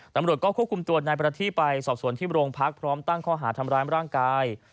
ตำรวจก็ควบคุมตัวนายประทีไปสอบสวนที่โรงพักพร้อมตั้งข้อหาทำร้ายร่างกาย